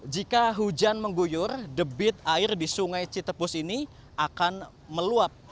jika hujan mengguyur debit air di sungai citepus ini akan meluap